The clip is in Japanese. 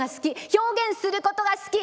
表現することが好き。